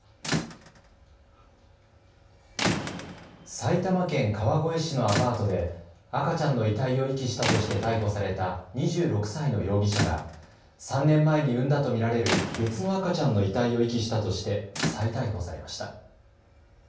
埼玉県川越市のアパートで赤ちゃんの遺体を遺棄したとして逮捕された２６歳の容疑者が３年前に産んだと見られる別の赤ちゃんの遺体を遺棄したとして再逮捕されました。